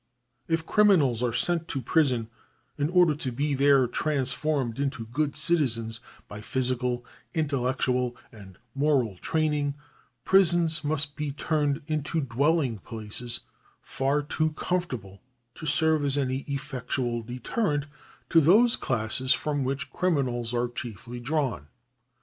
If criminals are sent to prison in order to be there transformed into good citizens by physical, intellectual, and moral training, prisons must be turned into dwelling places far too comfortable to serve as any effectual deterrent to those classes from which criminals are chiefly drawn.